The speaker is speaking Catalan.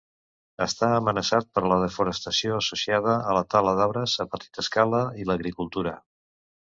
Està amenaçat per la desforestació associada a la tala d'arbres a petita escala i l'agricultura.